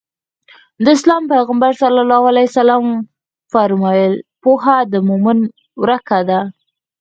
د اسلام پيغمبر ص وفرمايل پوهه د مؤمن ورکه ده.